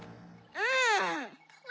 うん！